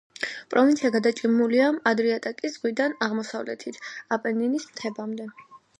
პროვინცია გადაჭიმულია ადრიატიკის ზღვიდან აღმოსავლეთით, აპენინის მთებამდე.